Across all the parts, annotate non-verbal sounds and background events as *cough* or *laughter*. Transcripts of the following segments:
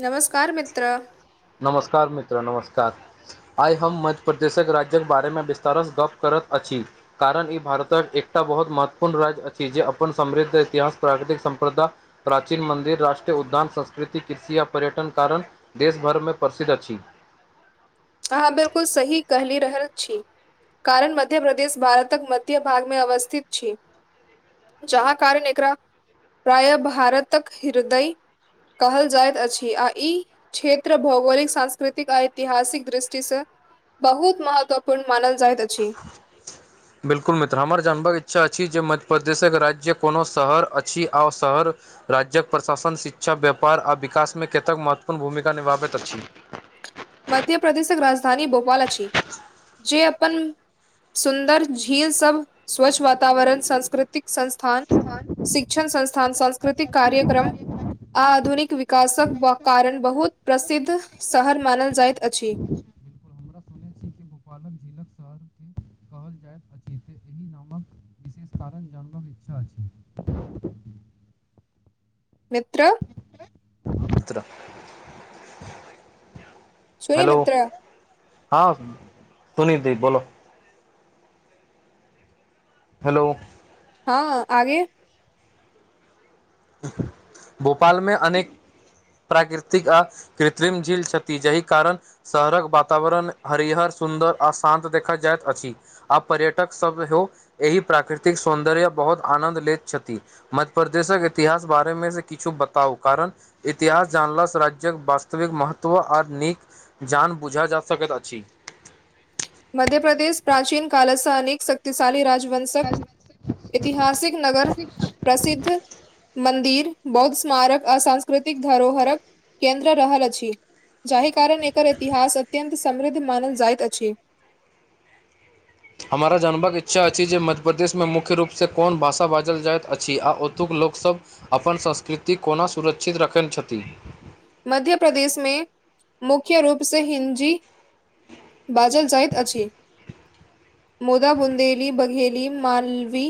नमस्कार मित्र नमस्कार मित्र नमस्कार आइ हम मध्य प्रदेशक राज्यक बारेमे विस्तार सँ गप्प करत अछि। कारण ई भारतक एकटा बहुत महत्वपूर्ण राज्य अछि जे अपन समृद्ध इतिहास, प्राकृतिक सम्प्रदा प्राचीन मन्दिर, राष्ट्रीय उद्यान, संस्कृति, कृषि आ पर्यटन कारण देश घरमे प्रसिद्ध अछि। अहाँ बिलकुल सही कहली रहल छी कारण मध्य प्रदेश भारतक मध्य भागमे अवस्थित छी जहा कारण एकरा प्राय भारतक हृदय कहल जाइत अछि आ ई क्षेत्र भौगोलिक, सांस्कृतिक आ ऐतिहासिक दुष्टि सँ बहुत महत्वपूर्ण मानल जाइत अछी। बिल्कुल मित्र हमर जानबाक इच्छा अछि जे मध्य प्रदेशक राज्य कोनो शहर अछि आओ शहर राज्यक प्रशासन शिक्षा, व्यापार आ विकासमे केतेक महत्वपूर्ण भूमिका निभाबैत अछि मध्य प्रदेशक राजधानी भोपाल अछि जे अपन सुन्दर झील सब स्वच्छ वातावरण सांस्कृतिक संस्थान शिक्षण संस्थान, सांस्कृतिक कार्यक्रम आधुनिक विकासक व कारण बहुत प्रसिद्ध शहर मानल जाइत अछि। पालक झीलक शहरके कहल जायत अछि जे एहि नामक विशेष कारण जानबाक इच्छा अछि। मित्र छुई हेलो मित्र हँ पुनि दि बोलो हेलो हँ आगे भोपालमे अनेक प्राकृतिक आ कृत्रिम झील छथि जहि कारण शहरक वातावरण हरिहर, सुन्दर आ शान्त देखअ जाइत अछि। आ पर्यटक सभहो एहि प्राकृतिक सौन्दर्य बहुत आनन्द लेैत छथि। मध्प्रदेशक इतिहास बारेमे से किछु बताउ कारण इतिहास जानला सँ राज्यक वास्तविक महत्व आर नीक जान बुझा जा सकैत अछि। मध्य प्रदेश प्राचीन काल सौ अनेक शक्तिशाली राज्य वयस्क इतिहासिक नगर प्रसिद्ध मंदिर बहुत स्मारक आ सांस्कृतिक धरोहरक केन्द्र रहल अछि। जाहि कारण एकर इतिहास अत्यंत समृद्ध मानल जाइत अछि। हमरा जानबक इच्छा अछि जे मध्यप्रदेश मे मुख्य रूप सँ कोन भाषा बाजल जाइत अछि आ ओतुक लोकसभ अपन संस्कृति कोना सुरक्षित रखै छथिन। मध्य प्रदेश मे मुख्य रूप से हिंजी बाजल जाइत अछि। मुदा बुन्देली, बघेेली, मालवी,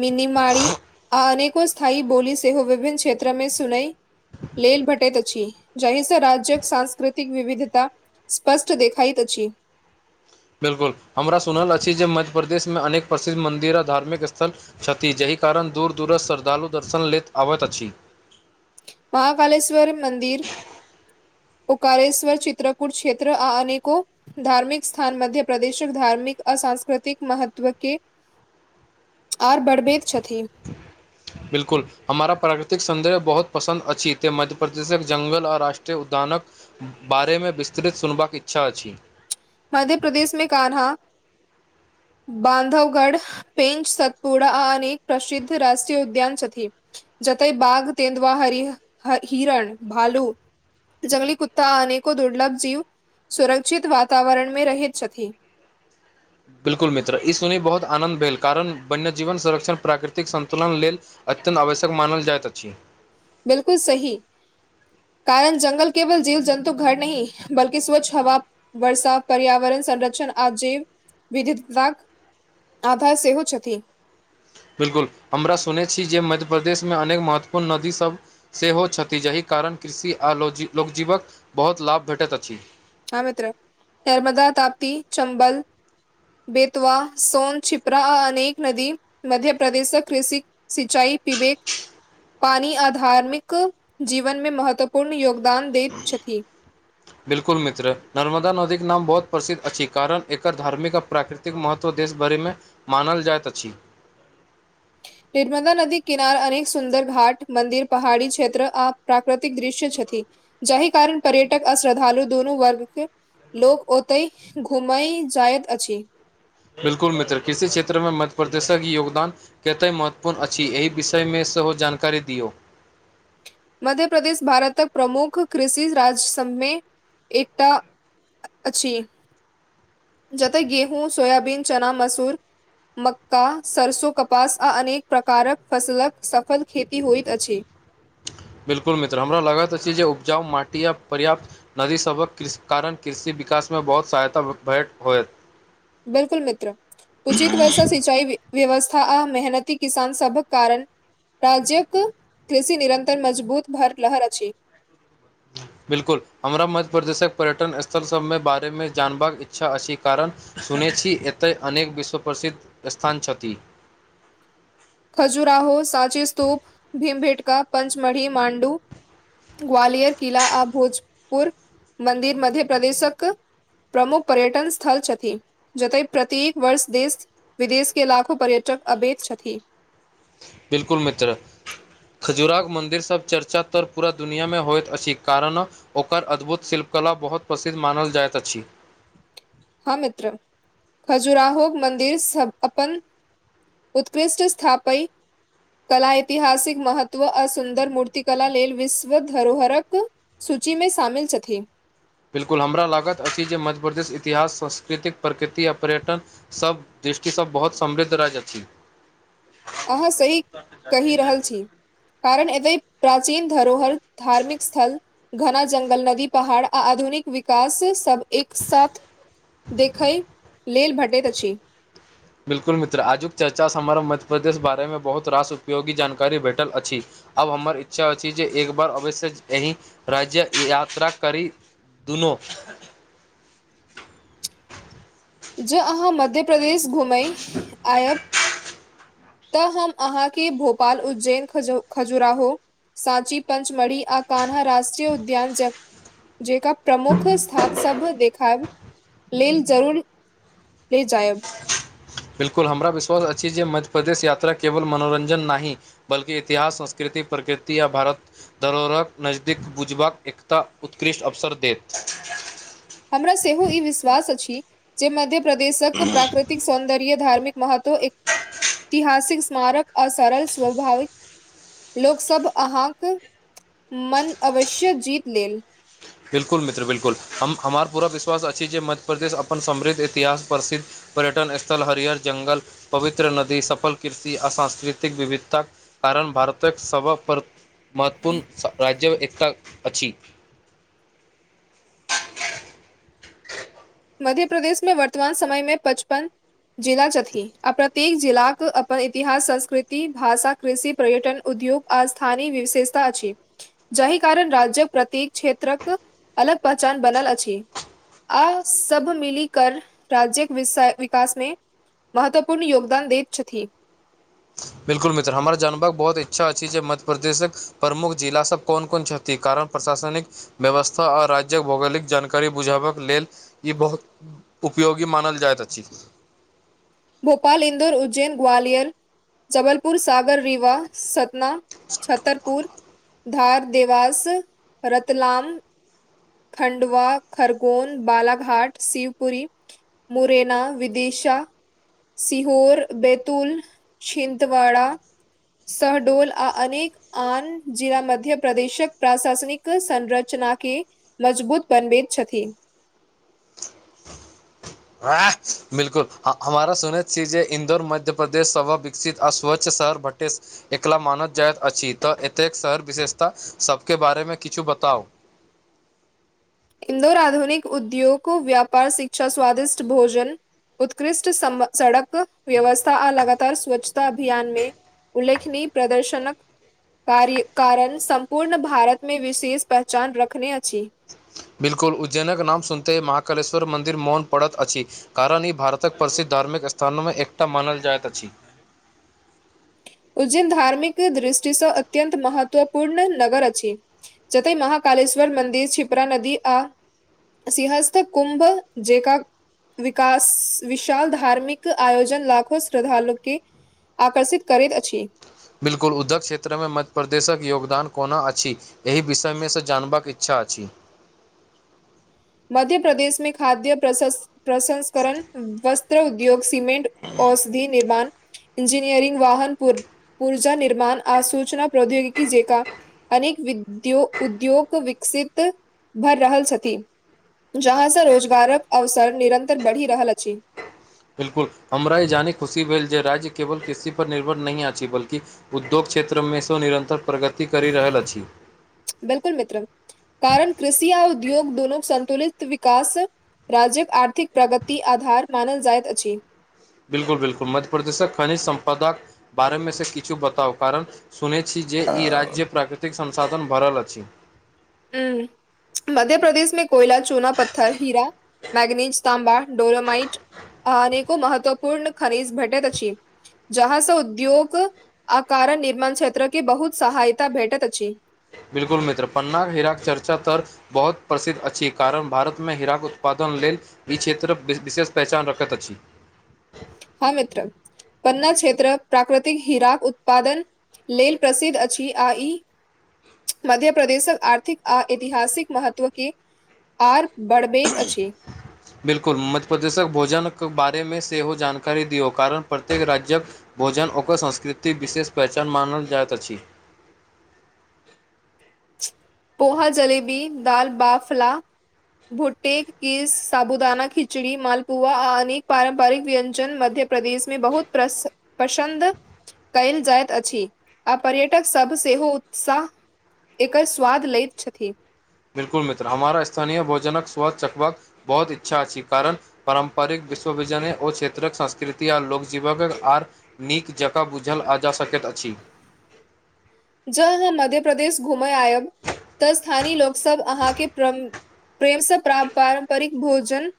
मिनिमारी अनेक को स्थायी बोली सेहो विभिन्न क्षेत्र मे सुनई लेल भेटेैत अछि जाहिसँ राज्यक सांस्कृतिक विविधता स्पष्ट देखाइत अछि। बिल्कुल हमरा सुनल अछि जे मध्य प्रदेशमे अनेक प्रसिद्ध मन्दिर आ धार्मिक स्थल छथि जाहि कारण दूर दूर सँ श्रद्धालु दर्शन लेल आबैत अछि। माहाकालेश्वर मन्दिर ओकारेश्वर चित्रकूट क्षेत्र आ अनेको धार्मिक स्थान मध्य प्रदेशक धार्मिक आ सांस्कृतिक महत्व के और बढ़बैत छथिन। बिल्कुल। हमर प्राकृतिक सौंदर्य बहुत पसन्द अछि तें मध्य प्रदेशक जंगल आ राष्ट्रीय उद्यानक बारेमे विस्तृत सुनबाक इच्छा अछि। मध्य प्रदेश मे कान्हा, बान्धवगढ़ पेंज, सतपुरा आ अनेक प्रसिद्ध राष्ट्रीय उद्यान छथि। जतर बाघ तेंदुवा हरि हिरण, भालू जंगली कुत्ता अनेको दुर्लभ जीव सुरक्षित वातावरण मे रहैत छथि। बिल्कुल मित्र, ई सुनै मे बहुत आनंन्द भेल कारण वन्य जीवन संरक्षण प्राकृतिक संन्तुलन लेल अत्यन्त आवश्यक मानल जाइत अछि। बिलकुल सही। कारण जंगल केवल जीव जन्तु घर नहि बल्कि स्वच्छ हवा वर्षा, पर्यावरण संरक्षण आ जीव विविधता आधार सेहो छथि। बिलकुल, हमरा सुनैत छी जे मध्य प्रदेशमे अनेक महत्वपूर्ण नदी सभ सेहो छथि जाहि कारण कृषि आ लोकजीवक बहुत लाभ भेटैत अछि। हं मित्र, नर्मदा, ताप्ती, चम्बल बेतवा, सोन, छिप्रा आ अनेक नदी मध्य प्रदेश कृषि सिंचाई पिबेक पानी आ धार्मिक जीवनमे महत्वपूर्ण योगदान दैत छथि। बिल्कुल मित्र, नर्मदा नदीक नाम बहुत प्रसिद्ध अछि कारण एकर धार्मिक आर प्राकृतिक महत्व देश भरिेमे मानल जाइत अछि। नर्मदा नदीक किनार अनेक सुन्दर घाट मन्दिर पहाड़ी क्षेत्र आ प्राकृतिक दृश्य छथि। जहि कारण पर्यटक आ श्रद्धालु दुनु वर्गके लोको ओतय घुमय जाइत अछि। बिलकुल मित्र, कृषि क्षेत्र मे मध्य प्रदेशक योगदान कतेक महत्वपूर्ण अछि एहि विषयमे सेहो जानकारी दियौ। मध्य प्रदेश भारतक प्रमुख कृषि राज्य सभमे एकटा अछि जतय गेहूँ, सोयाबीन, चना, मसूुर मक्का, सरसो, कपास आ अनेक प्रकारक फसलक सफल खेती होइत अछि। बिल्कुल मित्र, हमरा लगैत अछि जे उपजाउ माटी या पर्याप्त नदी सभक कारण कृषि विकासमे बहुत सहायता भेटैत होयत। बिलकुल मित्र। उचित तरह से सिंचाई व्यवस्था आ मेहनती किसान सभक कारण राज्यक कृषि निरन्तर मजबूत भर रहल अछि। बिलकुल हमरा मध्य प्रदेशक पर्यटन स्थल सबमे बारेमे जानबाक इच्छा अछि कारण सुनै छी एतय अनेक विश्व प्रसिद्ध स्थान छथि। खजराहो, सांची स्तूप, भीमभेटका, पञचमढ़ी, मांडू ग्वालियर किला आ भोजपुर मन्दिर मध्य प्रदेशक प्रमुख पर्यटन स्थल छथिन जतय प्रत्येक वर्ष देश विदेश के लाखो पर्यटक अबैत छथि। बिलकुल मित्र खजूराहोक मन्दिर सब चर्चा तर पूरा दुनिआमे होइत अछि कारण ओकर अद्भुत शिल्पकला बहुत प्रसिद्ध मानल जाइत अछि। हँ मित्र खजुराहोक मन्दिर सब अपन उत्कृष्ट स्थापय कला, ऐतिहासिक महत्व आ सुन्दर मूर्त कला लेल विश्व धरोहरक सूचीमे शामिल छथि। बिलकुल हमरा लागत अछि जे मध्य प्रदेश इतिहास, संस्कृति, प्रकृति, आर पर्यटन सब दृष्टि स बहुत समृद्ध राज्य अछी। अहाँ सही कहि रहल छी। कारण एते प्राचीन धरोहर धार्मिक स्थल घना जंगल, नदी, पहाड़ आ आधुनिक विकास सब एक साथ देखय लेल भेटैत अछी। बिल्कुल मित्र आजुक चर्चा स हमरा मध्य प्रदेश बारेमे बहुत रास उपयोगी जानकारी भेटल अछी। अब हमर इच्छा अछी जे एक बार अवश्य एही राज्यक यात्रा करी दुनो जं अहाँ मध्य प्रदेश घुमै आयब त हम अहाँके भोपाल, उज्जैन, खजु खजुराहो सांची, पंचमढ़ी आ कान्हा राष्ट्रीय उद्यान ज जेकां प्रमुख स्थान सभ देखाइब लेल जरूर ले जायब। बिकुल हमरा विश्वास अछी जे मध्य प्रदेश यात्रा केवल मनोरञ्जन नाही बल्कि इतिहास, संस्कृति, प्रकृति आ भारत धरोहरक नजदीक बुझबाक एकता उत्कृष्ट अवसर देत। हमरा सेहो ई विश्वास अछी जे मध्य प्रदेशक प्राकृत तिक सौन्दर्य, धार्मिक महत्व एक तिहासिक स्मारक आ सरल स्वभाविक लोक सब अहांक मन अवश्य जीत लेल। बिल्कुल मित्र बिलकुल हम हमार पूरा विश्वास अछी जे मध्य प्रदेश अपन समृद्ध इतिहास प्रसिद्ध पर्यटन स्थल, हरियर जंगल, पवित्र नदी, सफल कृषि आ सांस्कृतिक विविधता कारण भारतक सब प्र महत्वपूर्ण राज्य एकता अछी। *inaudible* मध्य प्रदेश में वर्तमान समय मे पचपन जिला छथी आ प्रत्येक जिलाके अपन इतिहास, संस्कृति, भाषा कृषि, पर्यटन, उद्योग आ स्थानी विशेषता अछि। जाही कारण राज्यक प्रत्येक क्षेत्रक अलग पहचान बनल अछी। आ सब मीली कर राज्यक विषय विकास मे महत्वपूर्ण योगदान दैत छथी। बिल्कुल मित्र! हमरा जानबाक बहुत इच्छा अछी, मध्य प्रदेशक प्रमुख जिला सब कोन- कोन छथी, कारण प्रशासनिक व्यवस्था आ राज्य्यक भौगोलिक जानकारी बुझाबक लेल ई बहुत उपयोगी मानल जाइत अछी। भोपाल, इन्दौर, उज्जैन, ग्वालियर, जबलपुर, साागर, रीवा सतना, अछि छतरपुर, धार देवास, रतलाम। खंडवा, खरगोनह, बालघाट, शिवपुरी। मुरेना, विदिशा। सिहौंर, बैतूल, छिंतवड़ा, सहडोल, आ अनेक आन जिला मध्य प्रदेशक, प्राशासनिक संरचना के मजबूत बनबैत छथी। *unintelligible* हां छ 'बिल्कुल' हमारा सुनैत छी जे, इन्दौर मध्य प्र्रदेश सभ बिक स्थित अस्वच्छ शहर भट्टे *unintelligible* एकला मानल जाइत अछि, त एतेक शहर विशेषताा सबके बारेमे किछु बताउ। इन्दौर, आधुनिक उद्योगो, व्यापार, शिक्षा, स्वादिष्ट भोजन। उत्कृष्ट सम सड़क व्यवस्था, आ लगातार स्वच्छता अभियान मे। उल्लेखनीय प्रदर्शनक। कार्य कारण, सम्पूर्ण भारतमे, विशेष पहचान रखने अछी। 'बिल्कुल' उज्जैनक नाम सुनितही महाकालेश्वर मन्दिर मन परत अछी। कारण ई भारतक प्रसिद्ध, धार्मिक स्थानमे एकटा मानल जाइत अछी। उज्जैन धार्मिक दृष्टि सं, अत्यंत महत्वपूर्ण नगर अछी। जतए महाकालेश्वर मन्दिर, छिप्रा नदी, आ सिंहस्थ कुम्भ जेका विकास, विशाल धार्मिक आयोजन लाखो श्रद्धालु के आकर्षित करैत अछि। 'बिल्कुल' उद्दग क्षेत्रमे, मध्य प्रदेशक योगदान कोना अछ? एहि विषयमे से जानबाक इच्छा अछि। मध्य प्रदेश मे, खाद्य प्रसंस्करण व गृह उद्योग, सीमेंट, औषधि निर्माण, इंजीनियरिंग वाहन पूव ऊर्जा निर्माण आ सूचना प्रौद्योगिकी जेका। अनेक विद्यो उद्योग विकसित भर रहल छथि। जहाँसँ रोजगारक अवसर निरन्तर बढ़ि रहल अछि। बिल्कुल हमरा ई जाने खुशी भेल जे, राज्य केवल किृसी पर निर्भर नहि अछि, बल्कि उद्योग क्षेत्रमे सेहो निरन्तर प्रगति करि रहल अछि। 'बिलकुल' मित्र! कारण कृषि आ उद्योग दोनोक संतुलित विकास राज्यक आर्थिक प्रगति आधार मानल जाइत अछि। बिलकुल -बिलकुल मध्य प्रदेश से खनिज सम्पदाक बारे मे से किछु बताउ? कारण सुनैत छी जे, ई राज्य प्राकृतिक संसाधन भरल अछि। ह मध्य प्र्रदेशमे, कोयला, चोना पत्थर, हीरा, मैगनीज, तां्बा, डोलोमाइट। अनेको महत्वपूर्ण खनिज भेटैत अछि। जहाँ से उद्योग आ कारण निर्माण क्षेत्र के बहुत सहायता भेटैत अछि। बिलकुल मित्र! पन्नााक, हिरााक चर्चा तर बहुत प्रसिद्ध अछि, कारण भारतमे हीराक उत्पादन लेल ई क्षेत्र विशेष पहचान रखत अछि। हँ मित्र! पन्ना क्षेत्र प्राकृतिक हिरााक उत्पादन लेल प्रसिद्ध अछि आ ई मध्य प्रदेशक आर्थिक आ ऐतिहासिक महत्व के आर बढ़बैत अछि। बिलकुल, मध्य प्रदेशक भोजन के बारेमे सेहो जानकारी दियौ कारण प्रत्येक राज्यक भोजन ओकर संस्कृतिक विशेष पहचान मानल जाइत अछि। पोहा जलेबी, दाल बाफला भुटटे, किस, साबुदाना खिचड़ी, मालपुआ आ अनेक पारम्परिक व्यञ्जन मध्य प्रदेशमे बहुत प्रस पसन्द कयल जाइत अछि आ पर्यटक सभ सेहो उत्साह एकर स्वाद लैत छथि। बिलकुल मित्र, हमरा स्थानीय भोजनक स्वाद चखबाक बहुत इच्छा अछि कारण पारम्परिक विश्व विजन ओ क्षेत्रक संस्कृति आ लोकजीवनक आर नीक जकाँ बूझल जा सकैत अछि। जँ अहाँ मध्य प्रदेश घुमय आयब त स्थानीय लोक सब अहाँके प्रेम प्रेमसँ प्राप्त पारम्परिक भोजन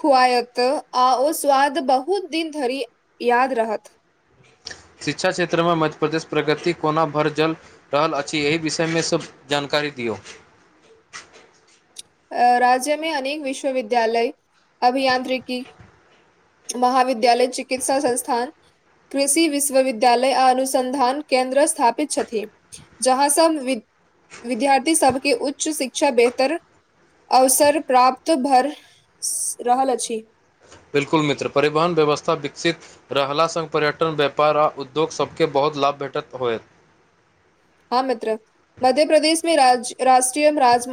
खुआएत आ ओ स्वाद बहुत दिन धरि याद रहत। शिक्षा क्षेत्रमे मध्य प्रदेशक प्रगति कोना भरि जल रहल अछि एहि विषयमे सब जानकारी दियौ अ राज्यमे अनेक विश्वविद्यालय, अभियांत्रिकी महाविद्यालय, चिकित्सा संस्थान कृषि विश्वविद्यालय आ अनुसन्धान केन्द्र स्थापित छथि। जहाँ सब विद्यार्थी सबके उच्च शिक्षा बेहतर अवसर प्राप्त भ रहल अछि। बिल्कुल मित्र, परिवहन व्यवस्था विकसित रहला सं पर्यटन, व्यापार आ उद्योग सभके बहुत लाभ भेटैत होयत। हँ मित्र, मध्य प्र्रदेश मे राष्ट्रीय राज